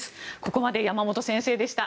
ここまで山本先生でした。